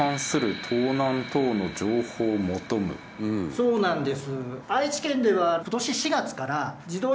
そうなんです。